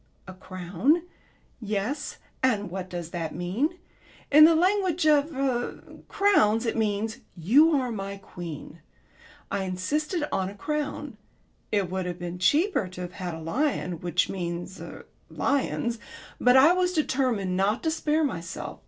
"A crown." "Yes. And what does that mean? In the language of er crowns it means 'You are my queen.' I insisted on a crown. It would have been cheaper to have had a lion, which means er lions, but I was determined not to spare myself.